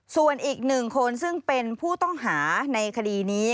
ส่วนอีกหนึ่งคนซึ่งเป็นผู้ต้องหาในคดีนี้